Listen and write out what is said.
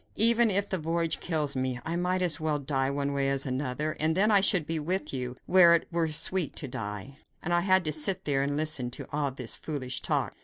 Even if the voyage kills me, I might as well die one way as another; and then I should be with you, where it were sweet to die." And I had to sit there and listen to all this foolish talk!